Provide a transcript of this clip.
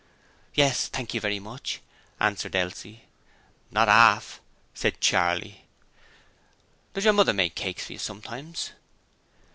'Yes, thank you very much,' answered Elsie. 'Not 'arf!' said Charley. 'Does your mother make cakes for you sometimes?'